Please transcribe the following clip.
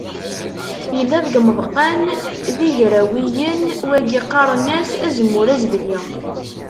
Yella deg yimeḍqan d igrawiyen, wagi qqaren-as azemmur azebli.